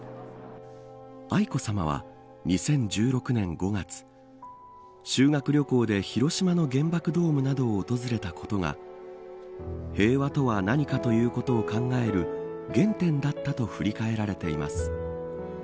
愛子さまは２０１６年５月修学旅行で広島の原爆ドームなどを訪れたことが平和とは何かということを考える原点だったと振り返られています。